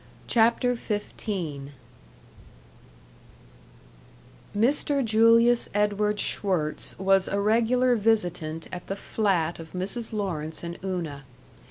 CHAPTER XV Mr. Julius Edward Schwirtz was a regular visitant at the flat of Mrs. Lawrence and Una.